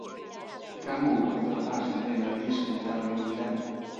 甘谷文庙大成殿的历史年代为明代。